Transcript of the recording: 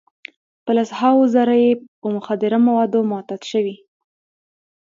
په لس هاوو زره یې په مخدره موادو معتاد شوي.